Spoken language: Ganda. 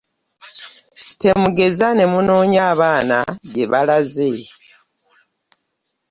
Temugeza ne munoonya abaana gye baalaze.